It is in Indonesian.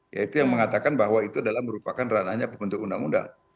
yaitu yang mengatakan bahwa itu adalah merupakan ranahnya pembentuk undang undang